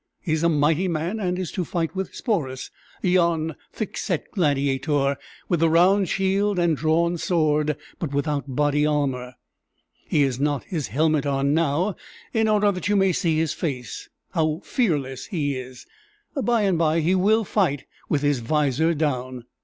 He is a mighty man, and is to fight with Sporus, yon thick set gladiator, with the round shield and drawn sword but without body armor; he has not his helmet on now, in order that you may see his face how fearless it is! By and by he will fight with his visor down."